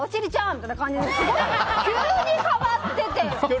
みたいな感じで急に変わってて。